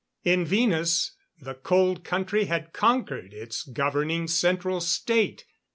In Venus, the Cold Country had conquered its governing Central State.